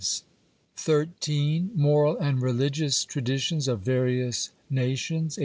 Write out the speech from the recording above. " Moral and Religious Traditions of various Nations," 1825.